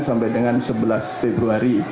sampai dengan sebelas februari dua ribu tujuh belas